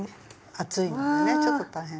厚いのでねちょっと大変。